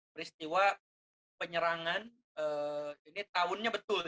peristiwa penyerangan ini tahunnya betul